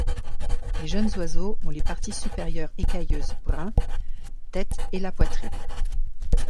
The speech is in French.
Les jeunes oiseaux ont les parties supérieures écailleuses brun, tête et la poitrine.